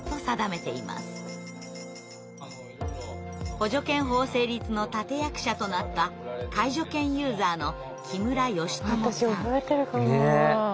補助犬法成立の立て役者となった介助犬ユーザーの私覚えてるかも。